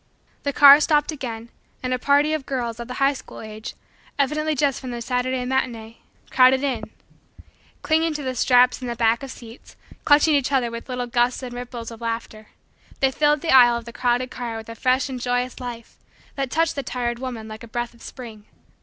The car stopped again and a party of girls of the high school age, evidently just from the Saturday matinee, crowded in. Clinging to the straps and the backs of seats, clutching each other with little gusts and ripples of laughter, they filled the aisle of the crowded car with a fresh and joyous life that touched the tired woman like a breath of spring.